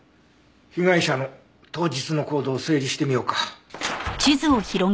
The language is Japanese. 被害者の当日の行動を整理してみようか。